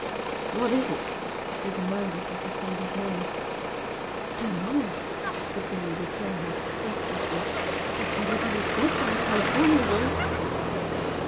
"What is it?" he demanded as he paid his money. "Dunno!" the boy replied, breathlessly "'Xpect everybody's dead down California way!"